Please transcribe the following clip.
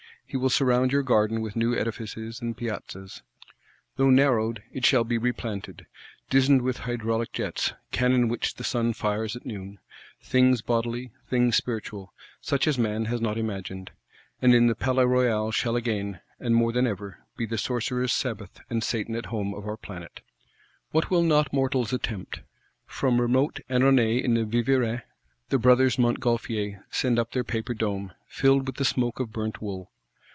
He will surround your Garden with new edifices and piazzas: though narrowed, it shall be replanted; dizened with hydraulic jets, cannon which the sun fires at noon; things bodily, things spiritual, such as man has not imagined;—and in the Palais Royal shall again, and more than ever, be the Sorcerer's Sabbath and Satan at Home of our Planet. What will not mortals attempt? From remote Annonay in the Vivarais, the Brothers Montgolfier send up their paper dome, filled with the smoke of burnt wool.